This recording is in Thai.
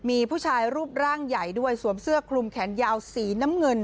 มีผู้ชายรูปร่างใหญ่ด้วยสวมเสื้อคลุมแขนยาวสีน้ำเงิน